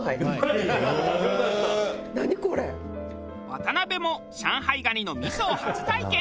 渡辺も上海蟹の味噌を初体験。